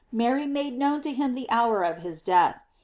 Mary made known to him the hour of his death.